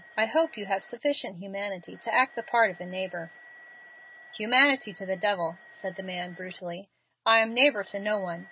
I hope you have sufficient humanity to act the part of a neighbor." "Humanity to the devil!" said the man, brutally, "I am neighbor to no one.